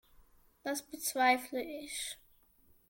Das bezweifle ich.